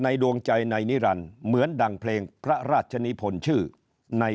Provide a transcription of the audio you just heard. ดวงใจในนิรันดิ์เหมือนดังเพลงพระราชนิพลชื่อใน